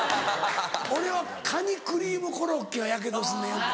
俺はかにクリームコロッケはやけどすんねんよく。